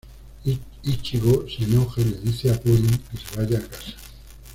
Ichigo se enoja y le dice a Pudding que se vaya a casa.